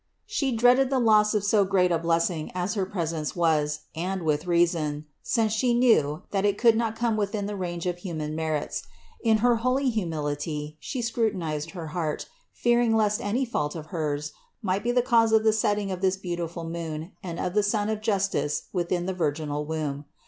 She dreaded the loss of so great a blessing as her presence was, and with reason, since she knew, that it could not come within the range of human merits; in her holy humility she scrutinized her heart, fearing lest any fault of hers might be the cause of the setting of that beautiful moon and of the Sun of justice within the virginal Womb.